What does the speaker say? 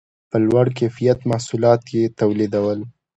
په لوړ کیفیت محصولات یې تولیدول.